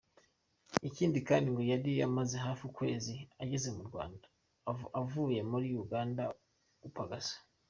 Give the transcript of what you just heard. Ikindi kandi ngo yari amaze hafi ukwezi ageze mu Rwanda, avuye muri Uganda gupagasa.